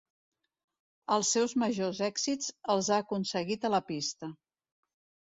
Els seus majors èxits els ha aconseguit a la pista.